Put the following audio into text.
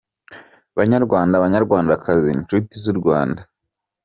Banyarwanda , banyarwandakazi, nshuti z’u Rwanda